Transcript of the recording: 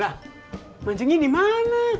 lah mancing ini mana